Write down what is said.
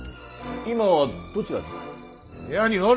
今はどちらに。